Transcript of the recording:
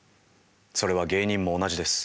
それは芸人も同じです。